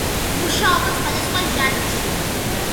მუშაობდა სხვადასხვა ჟანრში.